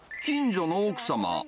近所の奥様。